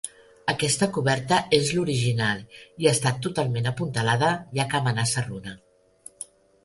Aquesta coberta és l'original i està totalment apuntalada, ja que amenaça runa.